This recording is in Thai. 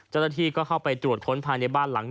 เจ้าหน้าที่ก็เข้าไปตรวจค้นภายในบ้านหลัง